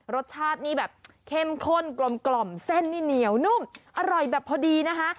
รสชาตินี่แบบเข้มข้นกลมเส้นนี่เหนียวนุ่มอร่อยแบบพอดีนะคะ